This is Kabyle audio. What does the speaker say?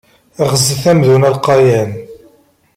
Ɣzet amdun alqayan.